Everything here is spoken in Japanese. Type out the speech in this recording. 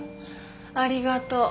ありがとう。